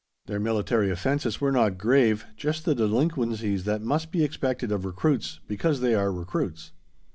Their military offences were not grave, just the delinquencies that must be expected of recruits, because they are recruits.